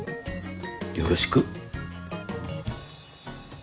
よろしく。